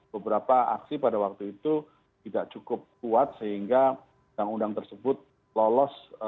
beberapa aksi pada waktu itu tidak cukup kuat sehingga undang undang tersebut lolos